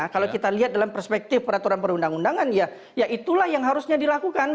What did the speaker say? kalau kita lihat dalam perspektif peraturan perundang undangan ya ya itulah yang harusnya dilakukan